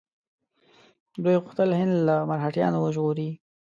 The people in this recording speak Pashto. دوی غوښتل هند له مرهټیانو وژغوري.